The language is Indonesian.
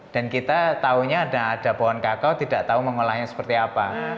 dan kita tahu ada pohon kakao tidak tahu mengolahnya seperti apa